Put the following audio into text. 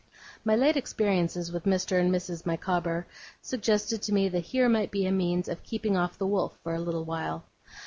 My late experiences with Mr. and Mrs. Micawber suggested to me that here might be a means of keeping off the wolf for a little while.